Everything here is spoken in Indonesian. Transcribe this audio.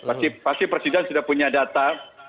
pasti presiden sudah punya data